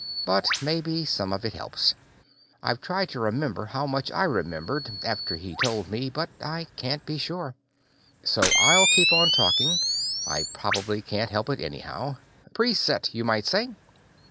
But maybe some of it helps. I've tried to remember how much I remembered, after he told me, but I can't be sure. So I'll keep on talking. I probably can't help it, anyhow. Pre set, you might say.